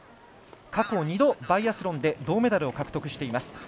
過去２度、バイアスロンで銅メダルを獲得しています。